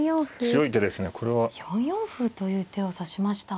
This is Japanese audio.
４四歩という手を指しました。